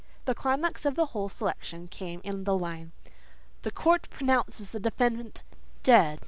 The climax of the whole selection came in the line, "The court pronounces the defendant DEAD!"